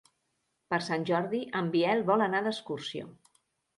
Per Sant Jordi en Biel vol anar d'excursió.